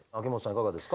いかがですか？